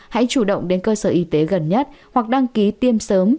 hãy chủ động đến cơ sở y tế gần nhất hoặc đăng ký tiêm sớm